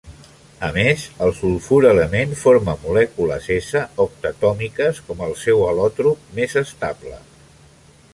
A més, el sulfur element forma molècules S octatòmiques com al seu al·lòtrop més estable.